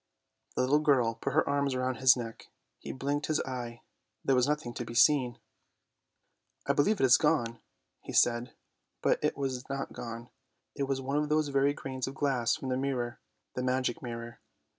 " The little girl put her arms round his neck, he blinked his eye, there was nothing to be seen. " I believe it is gone," he said, but it was not gone. It was one of those very grains of glass from the mirror, the magic mirror.